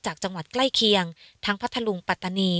จากจังหวัดใกล้เคียงทั้งพัทธลุงปัตตานี